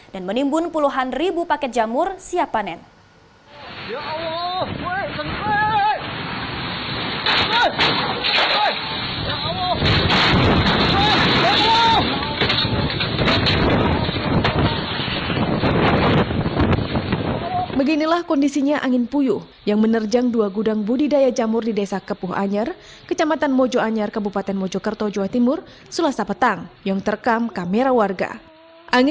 dan menimbun puluhan ribu paket jamur siap panen